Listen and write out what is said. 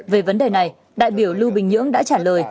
về vấn đề này đại biểu lưu bình nhưỡng đã trả lời